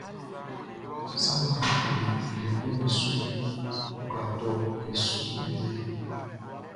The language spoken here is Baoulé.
Sa ngʼɔ ju e wienguʼm be suʼn, ɔ kwla tɔ e su wie.